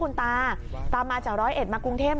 คุณตาตามมาจากร้อยเอ็ดมากรุงเทพ